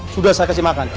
sudah saya kasih makan